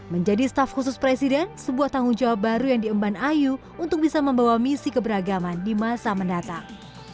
menjadi staf khusus presiden sebuah tanggung jawab baru yang diemban ayu untuk bisa membawa misi keberagaman di masa mendatang